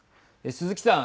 鈴木さん。